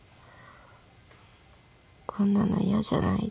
「こんなの嫌じゃない？」